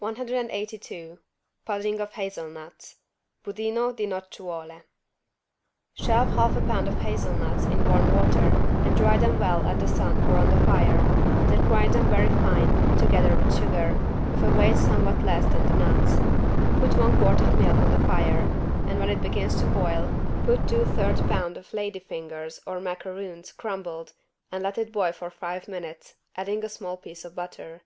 PART II PASTRY, SWEETS, FROZEN DELICACIES, SYRUPS 182 PUDDING OF HAZELNUTS (Budino di nocciuole) Shell half a pound of hazelnuts in warm water and dry them well at the sun or on the fire, then grind them very fine, together with sugar, of a weight somewhat less than the nuts. Put one quart of milk on the fire, and when it begins to boil, put two third lb. lady fingers or macaroons crumbed and let it boil for five minutes, adding a small piece of butter.